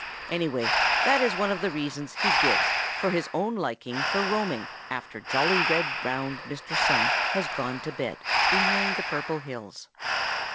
Anyway, that is one of the reasons he gives for his own liking for roaming after jolly, round, red Mr. Sun has gone to bed behind the Purple Hills.